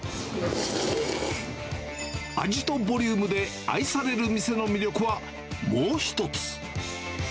味とボリュームで愛される店の魅力は、もう一つ。